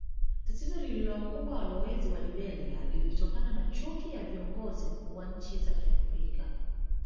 Tatizo lililowakumba walowezi wa Liberia lilitokana na chuki ya viongozi wa nchi za Kiafrika